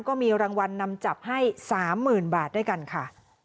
ก็มีรางวัลนำจับให้๓๐๐๐บาทด้วยกันค่ะ